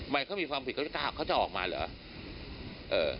ไม่เคยมีความผิดความคิดว่าเขาจะออกมาหรือ